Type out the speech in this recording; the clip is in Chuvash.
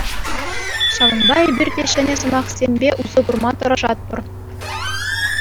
Ҫаванпа эпир те ҫӗнӗ сӑмахсемпе усӑ курма тӑрашатпӑр.